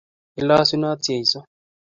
Iloosunot Jeiso.